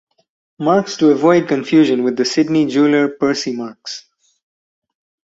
Marks to avoid confusion with the Sydney jeweller Percy Marks.